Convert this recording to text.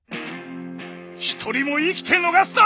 一人も生きて逃すな！